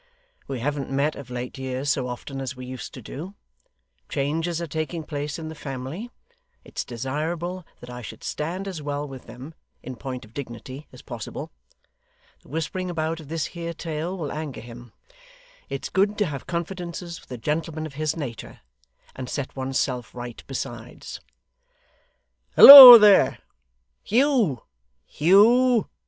'We haven't met of late years so often as we used to do changes are taking place in the family it's desirable that I should stand as well with them, in point of dignity, as possible the whispering about of this here tale will anger him it's good to have confidences with a gentleman of his natur', and set one's self right besides. Halloa there! Hugh Hugh.